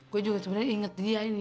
gua juga sebenernya inget dia ini